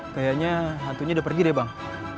kayaknya hantunya udah pergi deh bang